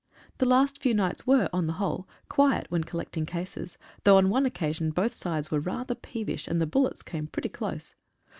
The last few nights were, on the whole quiet when collecting cases, though on one occasion both sides were rather pee vish, and bullets came pretty close.